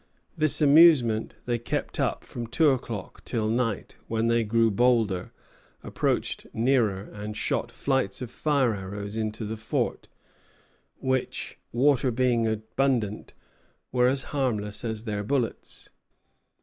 This amusement they kept up from two o'clock till night, when they grew bolder, approached nearer, and shot flights of fire arrows into the fort, which, water being abundant, were harmless as their bullets.